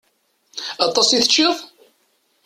Aṭas i teččiḍ?